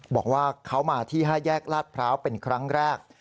บอกว่าเขามาที่๕แยกลาดพร้าวเป็นครั้งแรก